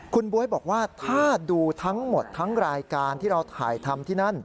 คุณบ๊วยบอกว่าถ้าดูทั้งหมดทั้งรายการที่เราถ่ายทำที่นั่น